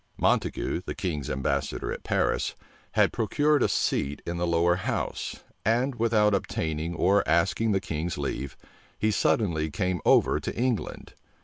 Montague, the king's ambassador at Paris, had procured a seat in the lower house; and without obtaining or asking the king's leave, he suddenly came over to England.